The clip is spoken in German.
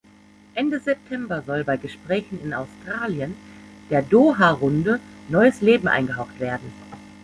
Ende September soll bei Gesprächen in Australien der Doha-Runde neues Leben eingehaucht werden.